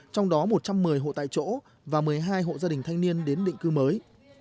trong đó một trăm một mươi hộ tại chỗ và một mươi hai hộ gia đình thanh niên đến định cư mới